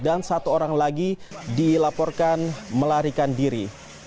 dan satu orang lagi dilaporkan melarikan diri